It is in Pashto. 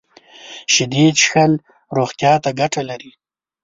شیدې څښل روغتیا ته ګټه لري